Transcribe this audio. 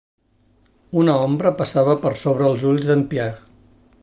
Una ombra passava per sobre els ulls d'en Pierre.